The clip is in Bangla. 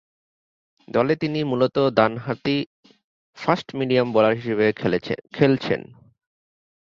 দলে তিনি মূলতঃ ডানহাতি ফাস্ট-মিডিয়াম বোলার হিসেবে খেলছেন।